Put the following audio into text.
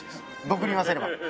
僕に言わせれば。